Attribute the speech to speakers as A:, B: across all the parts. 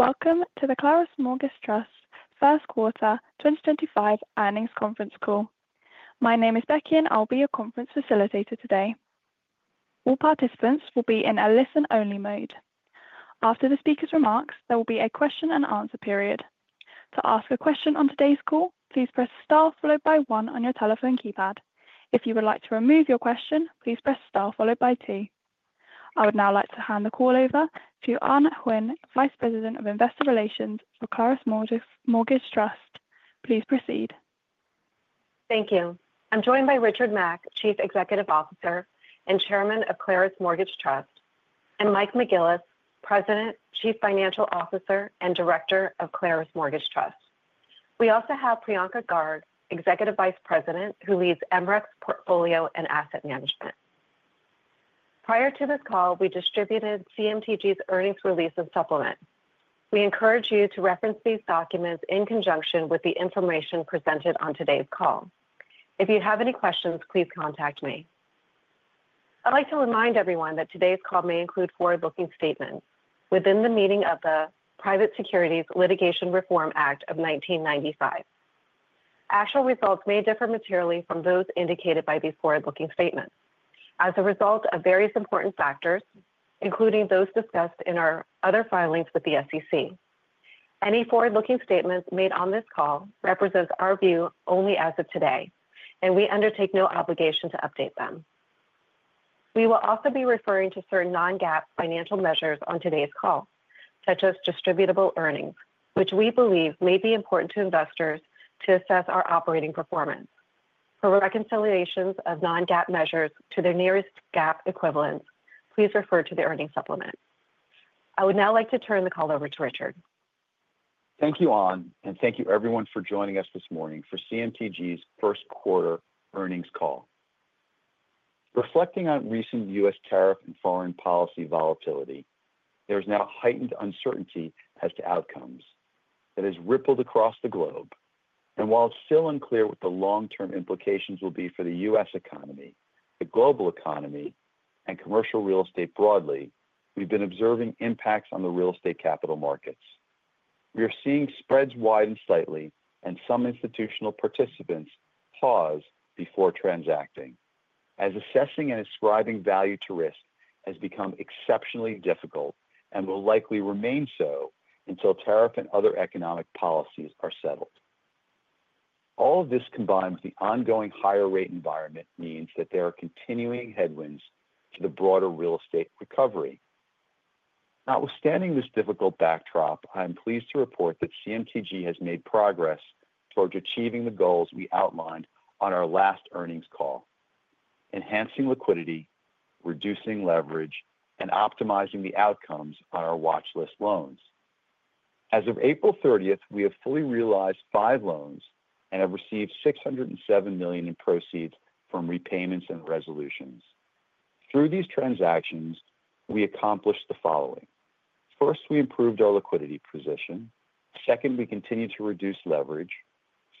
A: Welcome to the Claros Mortgage Trust First Quarter 2025 Earnings Conference Call. My name is Becky, and I'll be your conference facilitator today. All participants will be in a listen-only mode. After the speaker's remarks, there will be a Q&A period. To ask a question on today's call, please press * followed by 1 on your telephone keypad. If you would like to remove your question, please press * followed by 2. I would now like to hand the call over to Anh Huynh, Vice President of Investor Relations for Claros Mortgage Trust. Please proceed.
B: Thank you. I'm joined by Richard Mack, Chief Executive Officer and Chairman of Claros Mortgage Trust, and Mike McGillis, President, Chief Financial Officer, and Director of Claros Mortgage Trust. We also have Priyanka Garg, Executive Vice President, who leads MREX portfolio and asset management. Prior to this call, we distributed CMTG's earnings release and supplement. We encourage you to reference these documents in conjunction with the information presented on today's call. If you have any questions, please contact me. I'd like to remind everyone that today's call may include forward-looking statements within the meaning of the Private Securities Litigation Reform Act of 1995. Actual results may differ materially from those indicated by these forward-looking statements as a result of various important factors, including those discussed in our other filings with the SEC. Any forward-looking statements made on this call represent our view only as of today, and we undertake no obligation to update them. We will also be referring to certain non-GAAP financial measures on today's call, such as distributable earnings, which we believe may be important to investors to assess our operating performance. For reconciliations of non-GAAP measures to their nearest GAAP equivalent, please refer to the earnings supplement. I would now like to turn the call over to Richard.
C: Thank you, Anh, and thank you everyone for joining us this morning for CMTG's first quarter earnings call. Reflecting on recent U.S. tariff and foreign policy volatility, there is now heightened uncertainty as to outcomes that has rippled across the globe. While it's still unclear what the long-term implications will be for the U.S. economy, the global economy, and commercial real estate broadly, we've been observing impacts on the real estate capital markets. We are seeing spreads widen slightly, and some institutional participants pause before transacting, as assessing and ascribing value to risk has become exceptionally difficult and will likely remain so until tariff and other economic policies are settled. All of this combined with the ongoing higher rate environment means that there are continuing headwinds to the broader real estate recovery. Notwithstanding this difficult backdrop, I'm pleased to report that CMTG has made progress towards achieving the goals we outlined on our last earnings call: enhancing liquidity, reducing leverage, and optimizing the outcomes on our watchlist loans. As of April 30, we have fully realized five loans and have received $607 million in proceeds from repayments and resolutions. Through these transactions, we accomplished the following: first, we improved our liquidity position. Second, we continued to reduce leverage.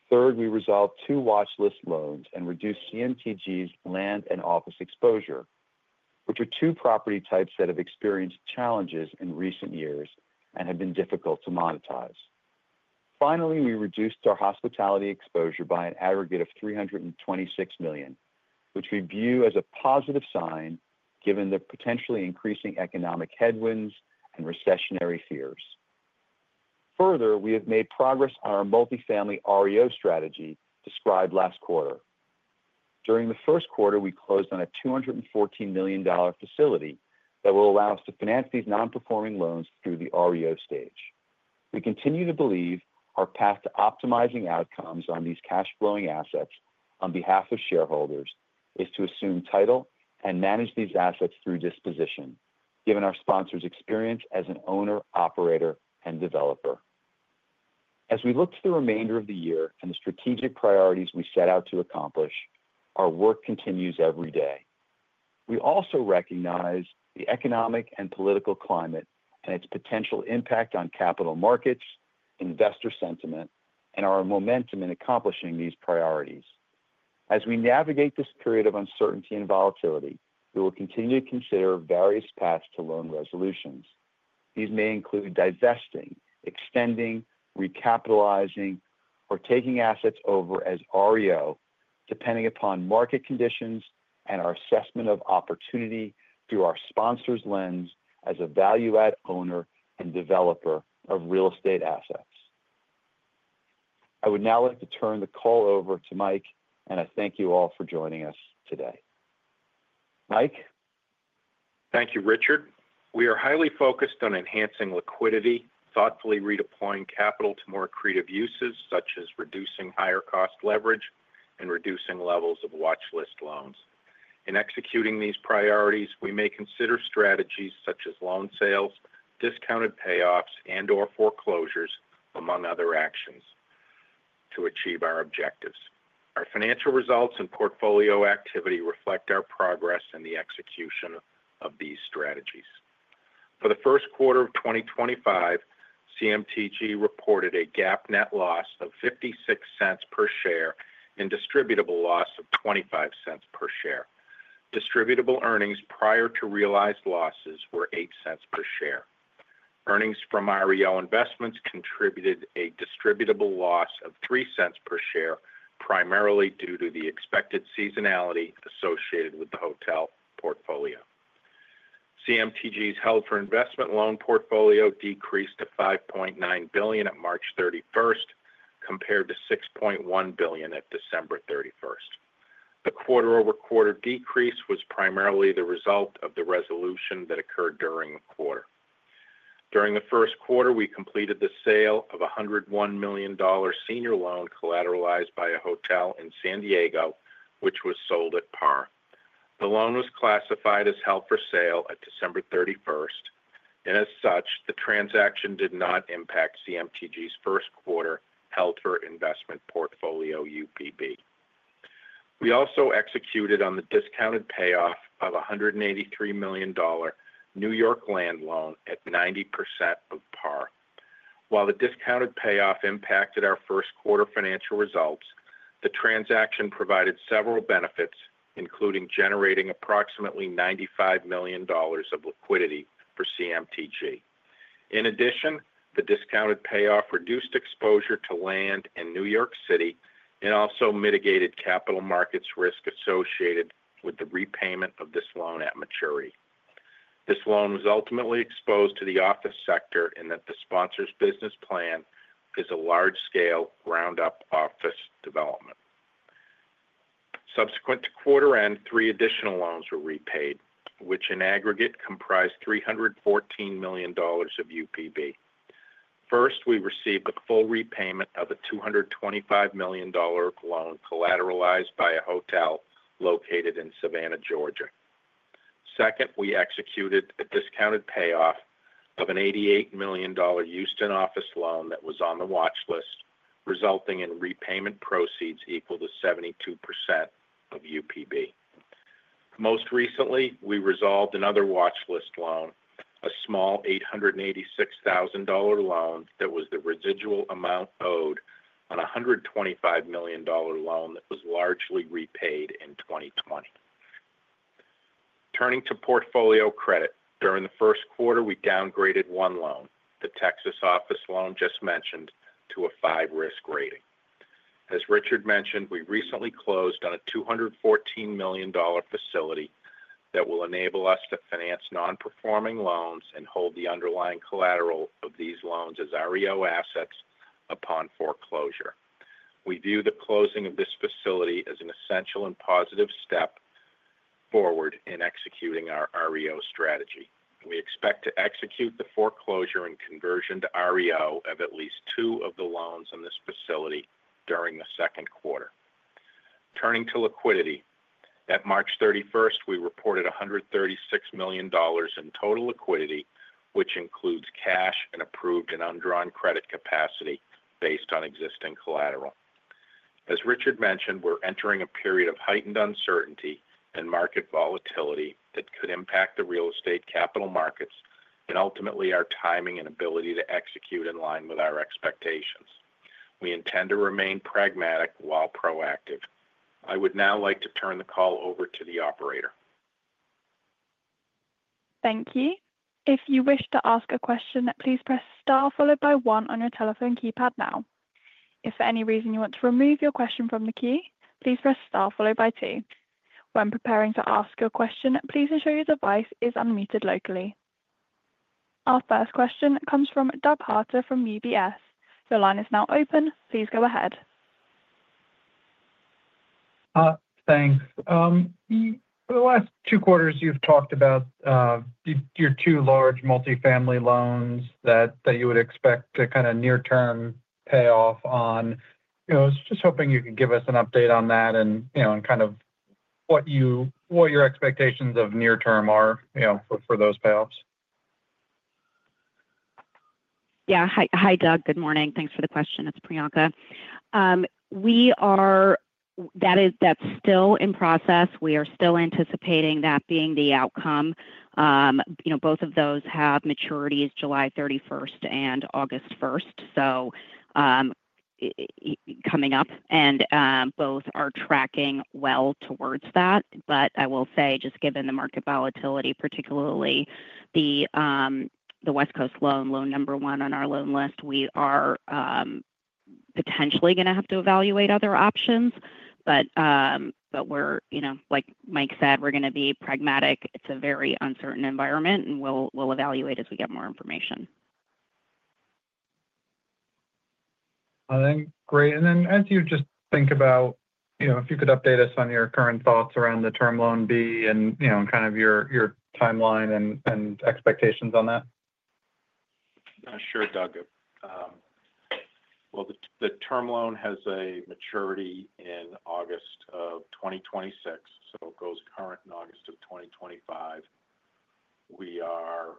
C: Third, we resolved two watchlist loans and reduced CMTG's land and office exposure, which are two property types that have experienced challenges in recent years and have been difficult to monetize. Finally, we reduced our hospitality exposure by an aggregate of $326 million, which we view as a positive sign given the potentially increasing economic headwinds and recessionary fears. Further, we have made progress on our multifamily REO strategy described last quarter. During the first quarter, we closed on a $214 million facility that will allow us to finance these non-performing loans through the REO stage. We continue to believe our path to optimizing outcomes on these cash-flowing assets on behalf of shareholders is to assume title and manage these assets through disposition, given our sponsor's experience as an owner, operator, and developer. As we look to the remainder of the year and the strategic priorities we set out to accomplish, our work continues every day. We also recognize the economic and political climate and its potential impact on capital markets, investor sentiment, and our momentum in accomplishing these priorities. As we navigate this period of uncertainty and volatility, we will continue to consider various paths to loan resolutions. These may include divesting, extending, recapitalizing, or taking assets over as REO, depending upon market conditions and our assessment of opportunity through our sponsor's lens as a value-add owner and developer of real estate assets. I would now like to turn the call over to Mike, and I thank you all for joining us today. Mike?
D: Thank you, Richard. We are highly focused on enhancing liquidity, thoughtfully redeploying capital to more creative uses, such as reducing higher cost leverage and reducing levels of watchlist loans. In executing these priorities, we may consider strategies such as loan sales, discounted payoffs, and/or foreclosures, among other actions, to achieve our objectives. Our financial results and portfolio activity reflect our progress in the execution of these strategies. For the first quarter of 2025, CMTG reported a GAAP net loss of $0.56 per share and distributable loss of $0.25 per share. Distributable earnings prior to realized losses were $0.08 per share. Earnings from REO investments contributed a distributable loss of $0.03 per share, primarily due to the expected seasonality associated with the hotel portfolio. CMTG's held-for-investment loan portfolio decreased to $5.9 billion at March 31, compared to $6.1 billion at December 31. The quarter-over-quarter decrease was primarily the result of the resolution that occurred during the quarter. During the first quarter, we completed the sale of a $101 million senior loan collateralized by a hotel in San Diego, which was sold at par. The loan was classified as held-for-sale at December 31, and as such, the transaction did not impact CMTG's first quarter held-for-investment portfolio UPB. We also executed on the discounted payoff of a $183 million New York land loan at 90% of par. While the discounted payoff impacted our first quarter financial results, the transaction provided several benefits, including generating approximately $95 million of liquidity for CMTG. In addition, the discounted payoff reduced exposure to land in New York City and also mitigated capital markets risk associated with the repayment of this loan at maturity. This loan was ultimately exposed to the office sector in that the sponsor's business plan is a large-scale ground-up office development. Subsequent to quarter-end, three additional loans were repaid, which in aggregate comprised $314 million of UPB. First, we received the full repayment of a $225 million loan collateralized by a hotel located in Savannah, Georgia. Second, we executed a discounted payoff of an $88 million Houston office loan that was on the watchlist, resulting in repayment proceeds equal to 72% of UPB. Most recently, we resolved another watchlist loan, a small $886,000 loan that was the residual amount owed on a $125 million loan that was largely repaid in 2020. Turning to portfolio credit, during the first quarter, we downgraded one loan, the Texas office loan just mentioned, to a five-risk rating. As Richard mentioned, we recently closed on a $214 million facility that will enable us to finance non-performing loans and hold the underlying collateral of these loans as REO assets upon foreclosure. We view the closing of this facility as an essential and positive step forward in executing our REO strategy. We expect to execute the foreclosure and conversion to REO of at least two of the loans on this facility during the second quarter. Turning to liquidity, at March 31, we reported $136 million in total liquidity, which includes cash and approved and undrawn credit capacity based on existing collateral. As Richard mentioned, we're entering a period of heightened uncertainty and market volatility that could impact the real estate capital markets and ultimately our timing and ability to execute in line with our expectations. We intend to remain pragmatic while proactive. I would now like to turn the call over to the operator.
A: Thank you. If you wish to ask a question, please press * followed by 1 on your telephone keypad now. If for any reason you want to remove your question from the queue, please press * followed by 2. When preparing to ask your question, please ensure your device is unmuted locally. Our first question comes from Doug Harter from UBS. Your line is now open. Please go ahead.
E: Thanks. For the last two quarters, you've talked about your two large multifamily loans that you would expect to kind of near-term pay off on. I was just hoping you could give us an update on that and kind of what your expectations of near-term are for those payoffs?
F: Yeah. Hi, Doug. Good morning. Thanks for the question. It's Priyanka. That's still in process. We are still anticipating that being the outcome. Both of those have maturities, July 31 and August 1, so coming up, and both are tracking well towards that. I will say, just given the market volatility, particularly the West Coast loan, loan number one on our loan list, we are potentially going to have to evaluate other options. Like Mike said, we're going to be pragmatic. It's a very uncertain environment, and we'll evaluate as we get more information.
E: All right. Great. As you just think about if you could update us on your current thoughts around the Term Loan B and kind of your timeline and expectations on that.
D: Sure, Doug. The term loan has a maturity in August of 2026, so it goes current in August of 2025. We are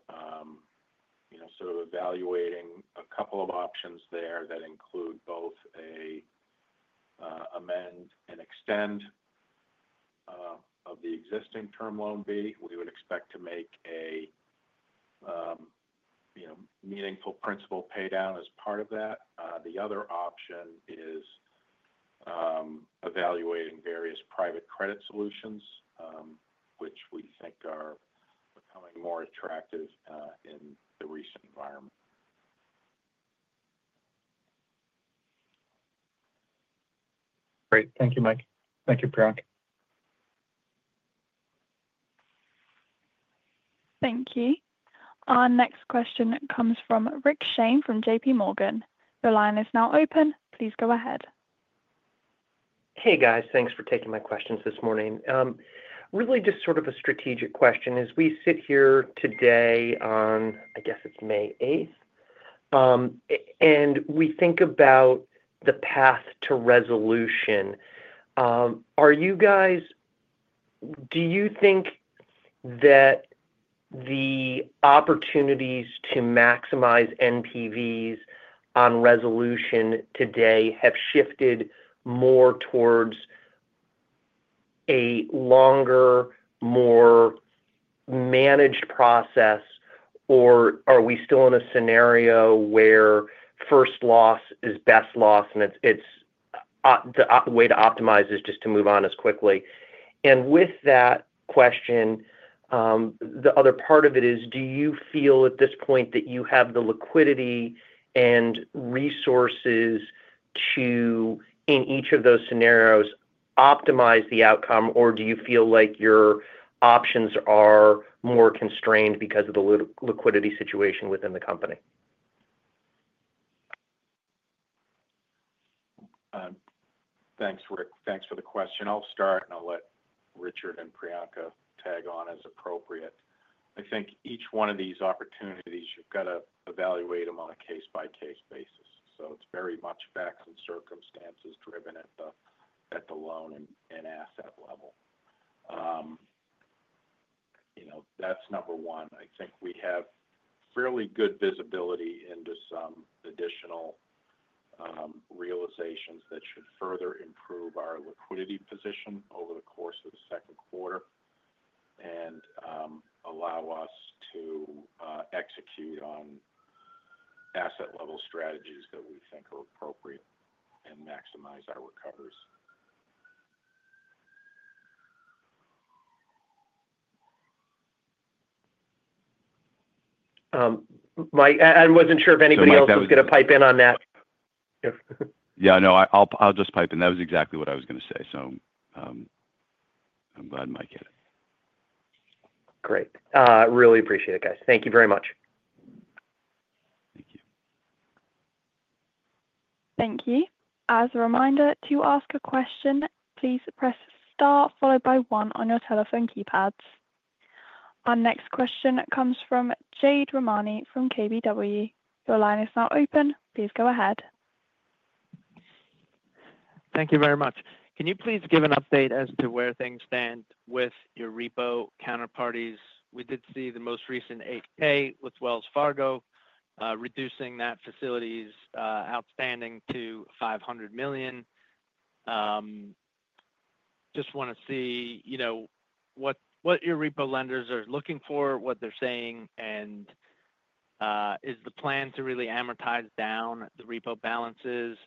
D: sort of evaluating a couple of options there that include both an amend and extend of the existing Term Loan B. We would expect to make a meaningful principal paydown as part of that. The other option is evaluating various private credit solutions, which we think are becoming more attractive in the recent environment.
E: Great. Thank you, Mike. Thank you, Priyanka.
A: Thank you. Our next question comes from Rick Shane from JPMorgan. Your line is now open. Please go ahead.
G: Hey, guys. Thanks for taking my questions this morning. Really just sort of a strategic question. As we sit here today on, I guess it's May 8th, and we think about the path to resolution, do you think that the opportunities to maximize NPVs on resolution today have shifted more towards a longer, more managed process, or are we still in a scenario where first loss is best loss and the way to optimize is just to move on as quickly? With that question, the other part of it is, do you feel at this point that you have the liquidity and resources to, in each of those scenarios, optimize the outcome, or do you feel like your options are more constrained because of the liquidity situation within the company?
D: Thanks, Rick. Thanks for the question. I'll start, and I'll let Richard and Priyanka tag on as appropriate. I think each one of these opportunities, you've got to evaluate them on a case-by-case basis. It is very much facts and circumstances driven at the loan and asset level. That's number one. I think we have fairly good visibility into some additional realizations that should further improve our liquidity position over the course of the second quarter and allow us to execute on asset-level strategies that we think are appropriate and maximize our recoveries.
G: Mike, I wasn't sure if anybody else was going to pipe in on that.
C: Yeah, no, I'll just pipe in. That was exactly what I was going to say. I'm glad Mike hit it.
G: Great. Really appreciate it, guys. Thank you very much.
A: Thank you. As a reminder, to ask a question, please press * followed by 1 on your telephone keypads. Our next question comes from Jade Rahmani from KBW. Your line is now open. Please go ahead.
H: Thank you very much. Can you please give an update as to where things stand with your repo counterparties? We did see the most recent 8K with Wells Fargo, reducing that facility's outstanding to $500 million. Just want to see what your repo lenders are looking for, what they're saying, and is the plan to really amortize down the repo balances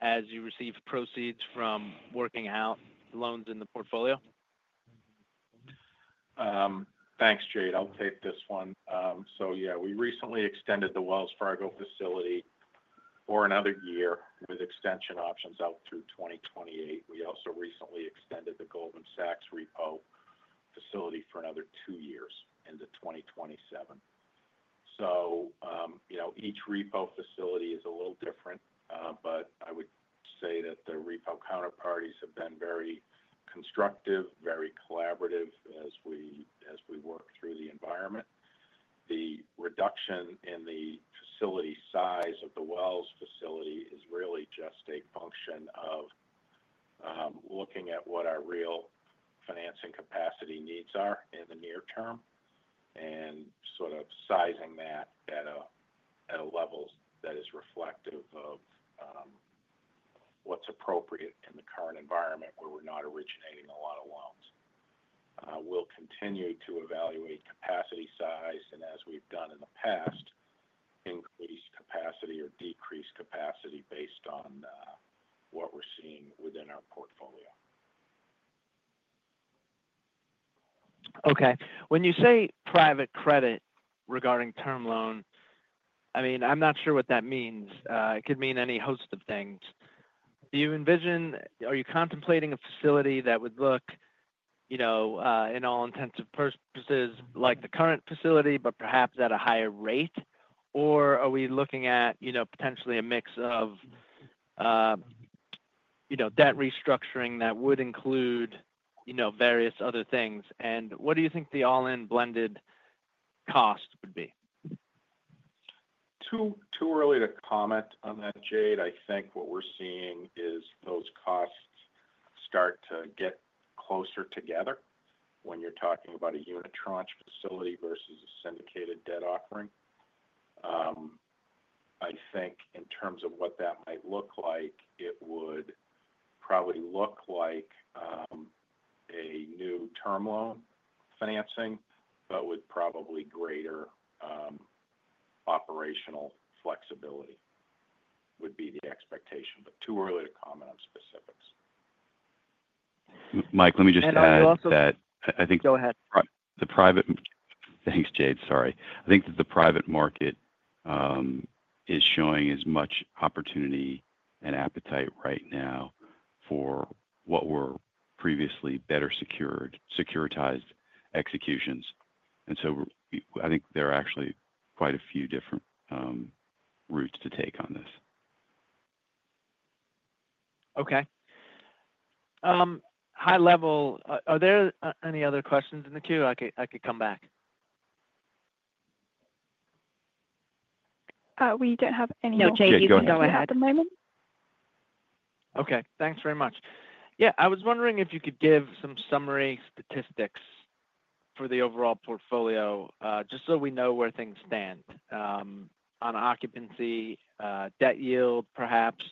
H: as you receive proceeds from working out loans in the portfolio?
D: Thanks, Jade. I'll take this one. Yeah, we recently extended the Wells Fargo facility for another year with extension options out through 2028. We also recently extended the Goldman Sachs repo facility for another two years into 2027. Each repo facility is a little different, but I would say that the repo counterparties have been very constructive, very collaborative as we work through the environment. The reduction in the facility size of the Wells facility is really just a function of looking at what our real financing capacity needs are in the near term and sort of sizing that at a level that is reflective of what's appropriate in the current environment where we're not originating a lot of loans. We'll continue to evaluate capacity size and, as we've done in the past, increase capacity or decrease capacity based on what we're seeing within our portfolio.
H: Okay. When you say private credit regarding term loan, I mean, I'm not sure what that means. It could mean any host of things. Are you contemplating a facility that would look, in all intents and purposes, like the current facility, but perhaps at a higher rate? Are we looking at potentially a mix of debt restructuring that would include various other things? What do you think the all-in blended cost would be?
D: Too early to comment on that, Jade. I think what we're seeing is those costs start to get closer together when you're talking about a unit tranche facility versus a syndicated debt offering. I think in terms of what that might look like, it would probably look like a new term loan financing, but with probably greater operational flexibility would be the expectation. Too early to comment on specifics.
C: Mike, let me just add that I think.
H: Go ahead.
C: Thanks, Jade. Sorry. I think that the private market is showing as much opportunity and appetite right now for what were previously better secured, securitized executions. I think there are actually quite a few different routes to take on this.
H: Okay. High level, are there any other questions in the queue? I could come back.
A: We don't have any more.
F: No, Jade, you can go ahead.
A: At the moment.
H: Okay. Thanks very much. Yeah. I was wondering if you could give some summary statistics for the overall portfolio just so we know where things stand on occupancy, debt yield, perhaps.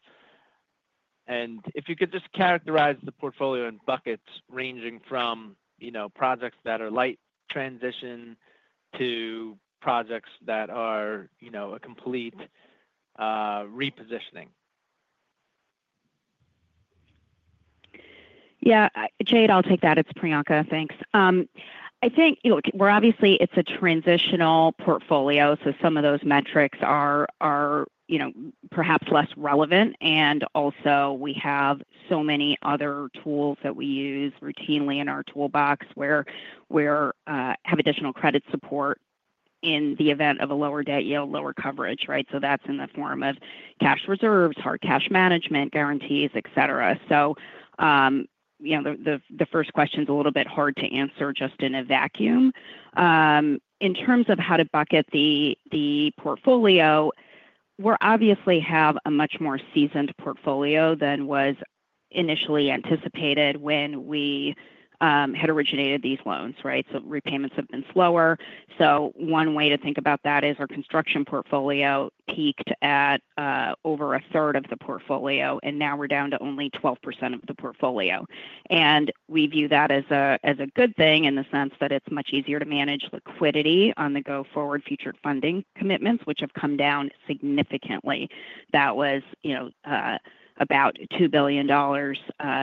H: And if you could just characterize the portfolio in buckets ranging from projects that are light transition to projects that are a complete repositioning.
F: Yeah. Jade, I'll take that. It's Priyanka. Thanks. I think we're obviously—it's a transitional portfolio, so some of those metrics are perhaps less relevant. Also, we have so many other tools that we use routinely in our toolbox where we have additional credit support in the event of a lower debt yield, lower coverage, right? That is in the form of cash reserves, hard cash management, guarantees, etc. The first question is a little bit hard to answer just in a vacuum. In terms of how to bucket the portfolio, we obviously have a much more seasoned portfolio than was initially anticipated when we had originated these loans, right? Repayments have been slower. One way to think about that is our construction portfolio peaked at over a third of the portfolio, and now we're down to only 12% of the portfolio. We view that as a good thing in the sense that it's much easier to manage liquidity on the go forward future funding commitments, which have come down significantly. That was about $2 billion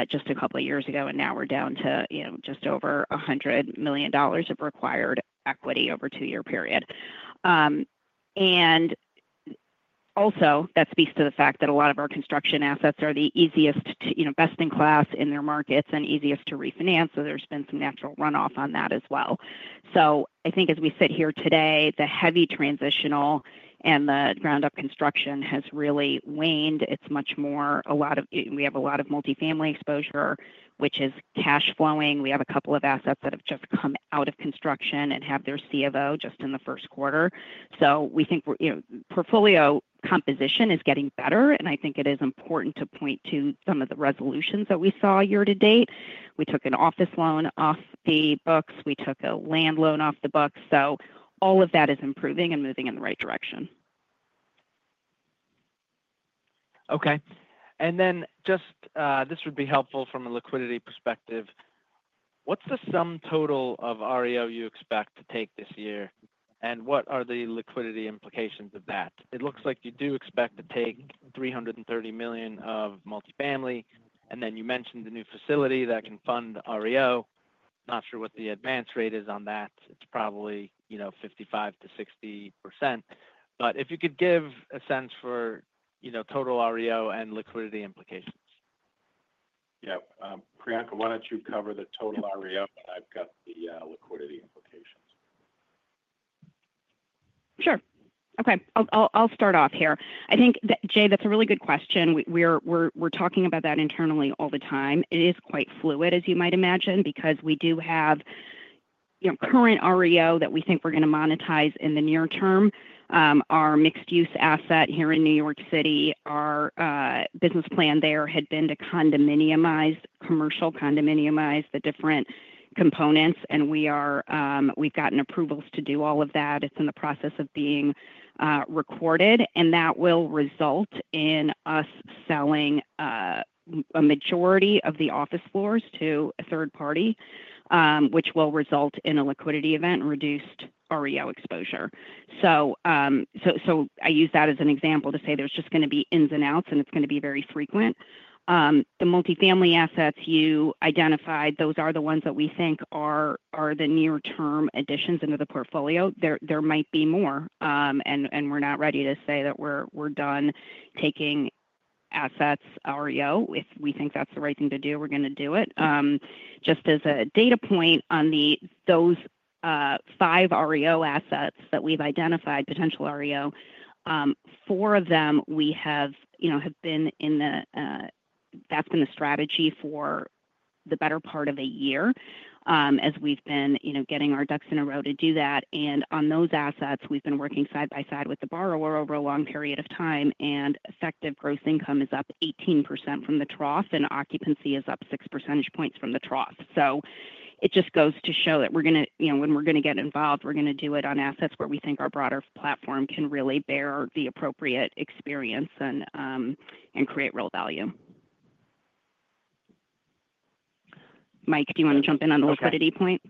F: just a couple of years ago, and now we're down to just over $100 million of required equity over a two-year period. That also speaks to the fact that a lot of our construction assets are the easiest, best in class in their markets and easiest to refinance. There has been some natural runoff on that as well. I think as we sit here today, the heavy transitional and the ground-up construction has really waned. It's much more a lot of—we have a lot of multifamily exposure, which is cash flowing. We have a couple of assets that have just come out of construction and have their see about just in the first quarter. We think portfolio composition is getting better, and I think it is important to point to some of the resolutions that we saw year to date. We took an office loan off the books. We took a land loan off the books. All of that is improving and moving in the right direction.
H: Okay. And then just this would be helpful from a liquidity perspective. What's the sum total of REO you expect to take this year, and what are the liquidity implications of that? It looks like you do expect to take $330 million of multifamily. And then you mentioned the new facility that can fund REO. Not sure what the advance rate is on that. It's probably 55-60%. But if you could give a sense for total REO and liquidity implications.
D: Yeah. Priyanka, why don't you cover the total REO, and I've got the liquidity implications?
F: Sure. Okay. I'll start off here. I think, Jade, that's a really good question. We're talking about that internally all the time. It is quite fluid, as you might imagine, because we do have current REO that we think we're going to monetize in the near term. Our mixed-use asset here in New York City, our business plan there had been to commercial condominiumize the different components, and we've gotten approvals to do all of that. It's in the process of being recorded, and that will result in us selling a majority of the office floors to a third party, which will result in a liquidity event and reduced REO exposure. I use that as an example to say there's just going to be ins and outs, and it's going to be very frequent. The multifamily assets you identified, those are the ones that we think are the near-term additions into the portfolio. There might be more, and we're not ready to say that we're done taking assets REO. If we think that's the right thing to do, we're going to do it. Just as a data point on those five REO assets that we've identified, potential REO, four of them have been in the—that's been the strategy for the better part of a year as we've been getting our ducks in a row to do that. On those assets, we've been working side by side with the borrower over a long period of time, and effective gross income is up 18% from the trough, and occupancy is up 6 percentage points from the trough. It just goes to show that when we're going to get involved, we're going to do it on assets where we think our broader platform can really bear the appropriate experience and create real value. Mike, do you want to jump in on the liquidity point?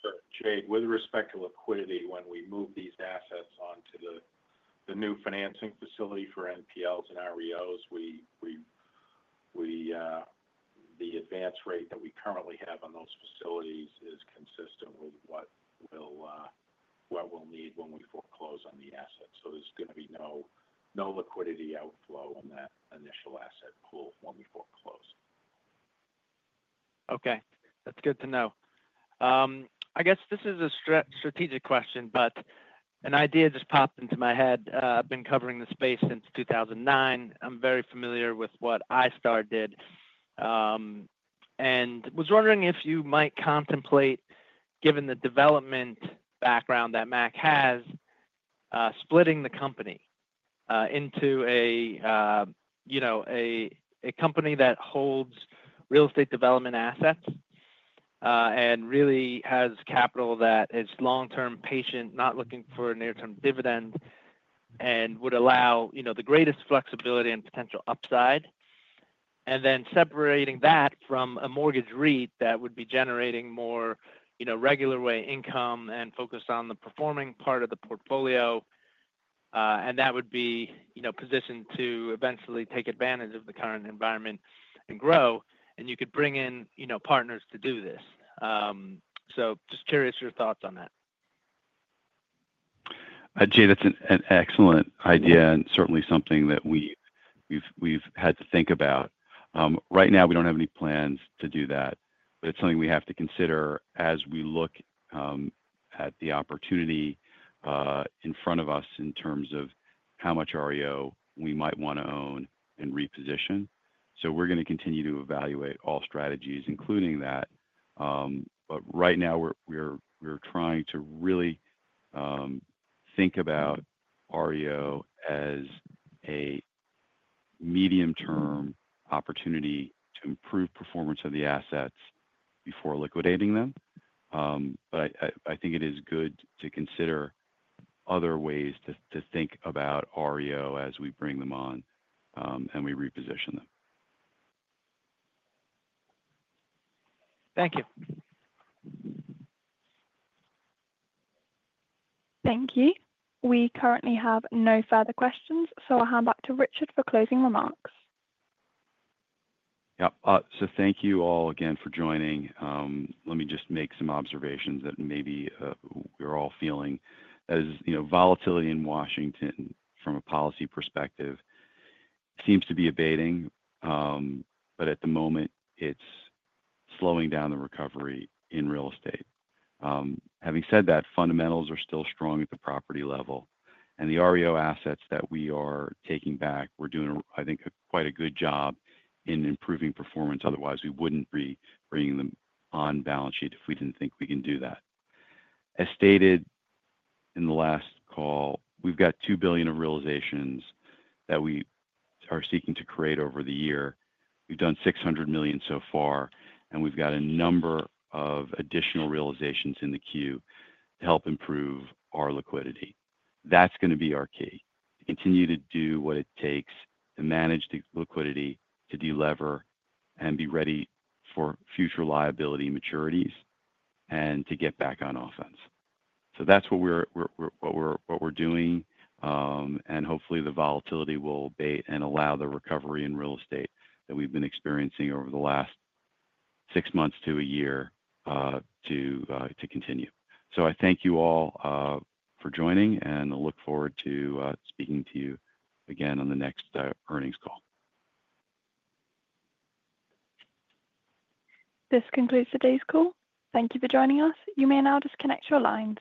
D: Sure. Jade, with respect to liquidity, when we move these assets onto the new financing facility for NPLs and REOs, the advance rate that we currently have on those facilities is consistent with what we'll need when we foreclose on the assets. There is going to be no liquidity outflow on that initial asset pool when we foreclose.
H: Okay. That's good to know. I guess this is a strategic question, but an idea just popped into my head. I've been covering the space since 2009. I'm very familiar with what ISTAR did. I was wondering if you might contemplate, given the development background that Mack has, splitting the company into a company that holds real estate development assets and really has capital that is long-term patient, not looking for a near-term dividend, and would allow the greatest flexibility and potential upside. Then separating that from a mortgage REIT that would be generating more regular way income and focused on the performing part of the portfolio, and that would be positioned to eventually take advantage of the current environment and grow. You could bring in partners to do this. Just curious your thoughts on that.
C: Jade, that's an excellent idea and certainly something that we've had to think about. Right now, we don't have any plans to do that, but it's something we have to consider as we look at the opportunity in front of us in terms of how much REO we might want to own and reposition. We are going to continue to evaluate all strategies, including that. Right now, we're trying to really think about REO as a medium-term opportunity to improve performance of the assets before liquidating them. I think it is good to consider other ways to think about REO as we bring them on and we reposition them.
H: Thank you.
A: Thank you. We currently have no further questions, so I'll hand back to Richard for closing remarks.
C: Yep. Thank you all again for joining. Let me just make some observations that maybe we're all feeling, as volatility in Washington from a policy perspective seems to be abating, but at the moment, it's slowing down the recovery in real estate. Having said that, fundamentals are still strong at the property level. The REO assets that we are taking back, we're doing, I think, quite a good job in improving performance. Otherwise, we wouldn't be bringing them on balance sheet if we didn't think we can do that. As stated in the last call, we've got $2 billion of realizations that we are seeking to create over the year. We've done $600 million so far, and we've got a number of additional realizations in the queue to help improve our liquidity. That's going to be our key: continue to do what it takes to manage the liquidity, to de-lever, and be ready for future liability maturities, and to get back on offense. That is what we're doing. Hopefully, the volatility will abate and allow the recovery in real estate that we've been experiencing over the last six months to a year to continue. I thank you all for joining, and I look forward to speaking to you again on the next earnings call.
A: This concludes today's call. Thank you for joining us. You may now disconnect your line.